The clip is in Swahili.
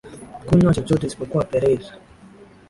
Kunywa chochote isipokuwa Perrier.